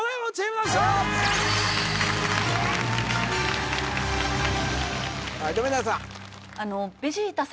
はい富永さん